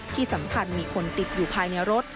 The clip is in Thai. ที่สำคัญมีคนติดอยู่ภายในรถ